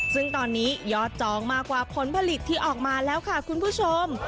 ซึ่งตอนนี้ยอดจองมากกว่าผลผลิตที่ออกมาแล้วค่ะคุณผู้ชม